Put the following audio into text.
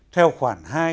theo khoản hai